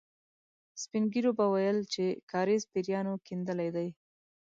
سپين ږيرو به ويل چې کاریز پېريانو کېندلی دی.